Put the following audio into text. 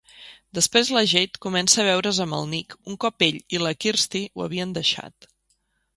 Després, la Jade comença a veure's amb el Nick un cop ell i la Kirsty ho havien deixat.